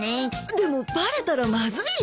でもバレたらまずいよ。